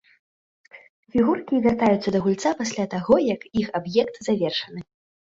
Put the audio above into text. Фігуркі вяртаюцца да гульца пасля таго, як іх аб'ект завершаны.